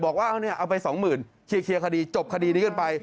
บอกว่าเอาไปสองหมื่นเคลียร์คดีจบคดีนี้กันไป